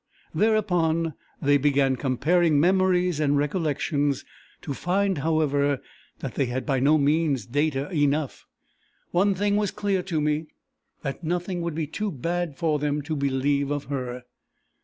Thereupon they began comparing memories and recollections, to find, however, that they had by no means data enough. One thing was clear to me that nothing would be too bad for them to believe of her.